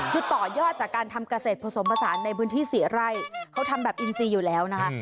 คือต่อยอดจากการทำเกษตรผสมผสานในพื้นที่สี่ไร่เขาทำแบบอินซีอยู่แล้วนะคะ